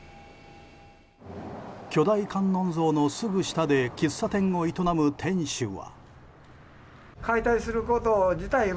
巨大観音像のすぐ下で喫茶店を営む店主は。